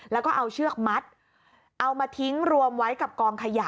แล้วก็เอาเชือกมัดเอามาทิ้งรวมไว้กับกองขยะ